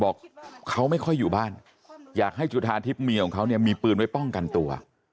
บอกเขาไม่ค่อยอยู่บ้านอยากให้จุธาทิพย์เมียของเขาเนี่ยมีปืนไว้ป้องกันตัว